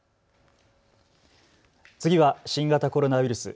次は新型コロナウイルス。